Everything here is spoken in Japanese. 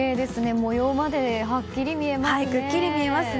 模様まではっきり見えますね。